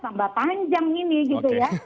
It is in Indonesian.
tambah panjang ini gitu ya